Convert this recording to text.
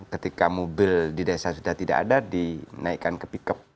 ketika mobil di desa sudah tidak ada dinaikkan ke pickup